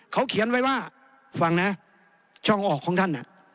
เขาเขียนไว้ว่าฟังนะช่องออกของท่าน